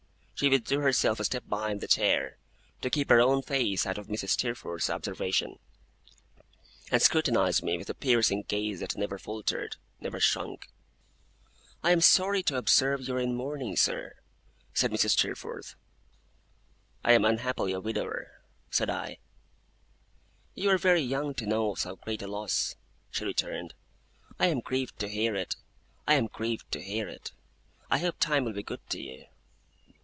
She withdrew herself a step behind the chair, to keep her own face out of Mrs. Steerforth's observation; and scrutinized me with a piercing gaze that never faltered, never shrunk. 'I am sorry to observe you are in mourning, sir,' said Mrs. Steerforth. 'I am unhappily a widower,' said I. 'You are very young to know so great a loss,' she returned. 'I am grieved to hear it. I am grieved to hear it. I hope Time will be good to you.